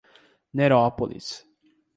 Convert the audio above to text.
Nerópolis